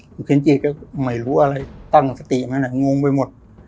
คุณจิตก็ไม่รู้อะไรตั้งสติมั้ยเนี่ยงงไปหมด